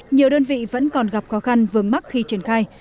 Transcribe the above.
nhiều đơn vị vẫn còn gặp khó khăn vừa mắc khi triển khai